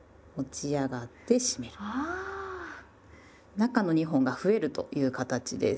中の２本が増えるという形です。